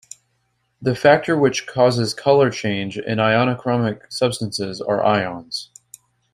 The factor which causes colour change in ionochromic substances are ions.